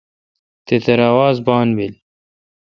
تترہ آواز بان بیل۔